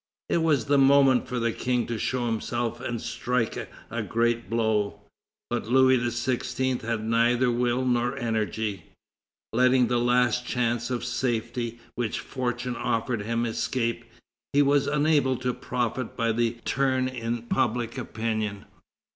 It was the moment for the King to show himself and strike a great blow. But Louis XVI. had neither will nor energy. Letting the last chance of safety which fortune offered him escape, he was unable to profit by the turn in public opinion.